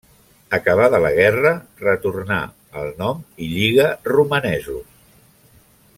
Acabada la guerra retornà al nom i lliga romanesos.